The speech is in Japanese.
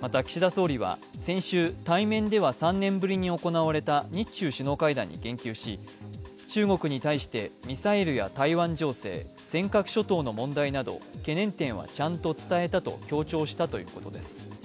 また、岸田総理は先週、対面では３年ぶりに行われた日中首脳会談に言及し中国に対してミサイルや台湾情勢、尖閣諸島の問題など懸念点はちゃんと伝えたと強調したということです。